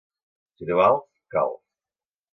Si tu vals, cals.